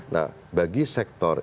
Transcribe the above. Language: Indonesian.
nah bagi sektor